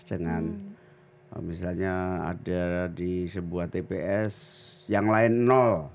dengan misalnya ada di sebuah tps yang lain nol